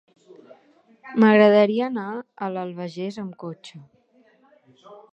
M'agradaria anar a l'Albagés amb cotxe.